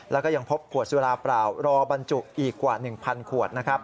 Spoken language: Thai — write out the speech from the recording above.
แล้วก็ยังพบขวดสุราเปล่ารอบรรจุอีกกว่า๑๐๐ขวดนะครับ